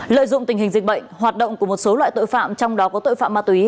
lợi dụng tình hình dịch bệnh hoạt động của một số loại tội phạm trong đó có tội phạm ma túy